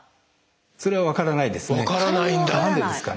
それは分からないですね。